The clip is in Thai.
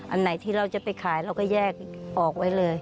อันไหนที่เราจะไปขายเราก็แยกออกไว้เลย